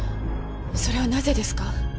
それはなぜですか？